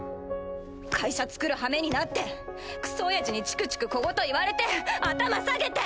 会社つくるはめになってクソおやじにチクチク小言言われて頭下げて。